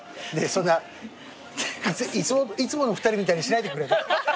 そんないつもの２人みたいにしないでくれる？